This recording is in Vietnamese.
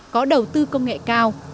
có đầu tư công nghệ cao